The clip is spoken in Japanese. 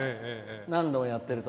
何度もやってると。